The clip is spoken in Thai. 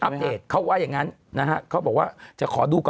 ปเดตเขาว่าอย่างงั้นนะฮะเขาบอกว่าจะขอดูก่อน